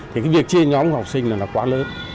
thì việc chia nhóm học sinh là quá lớn